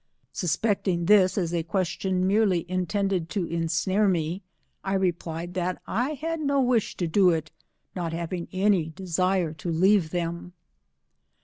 Sugpect ing this as a question merely intended to ensnare me, I replied th*t 1 had no wish to do it, not having any desire to leave them.